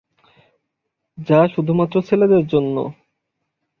যা শুধুমাত্র ছেলেদের জন্য।